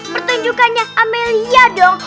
pertunjukannya amelia dong